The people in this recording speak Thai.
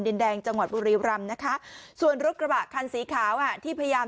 ดินแดงจังหวัดบุรีรำนะคะส่วนรถกระบะคันสีขาวอ่ะที่พยายาม